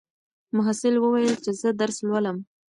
محصل وویل چې زه درس لولم.